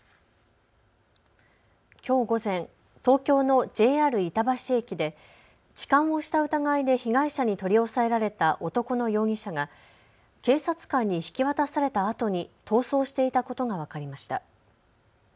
きょう午前、東京のＪＲ板橋駅で痴漢をした疑いで被害者に取り押さえられた男の容疑者が警察官に引き渡されたあとに逃走していたことが分かりました。